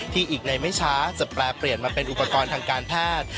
อีกในไม่ช้าจะแปรเปลี่ยนมาเป็นอุปกรณ์ทางการแพทย์